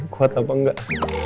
kuat apa enggak